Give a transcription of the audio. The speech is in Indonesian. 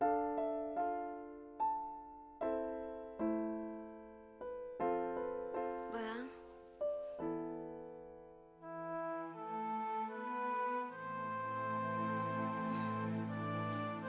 dan aku ingin boksa perempuan saya